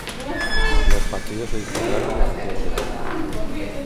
Los partidos se disputaron en Santiago de Chile.